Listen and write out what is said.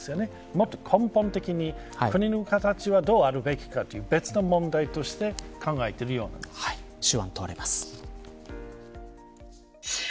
もっと根本的に国の形はどうあるべきかという別の問題として手腕が問われます。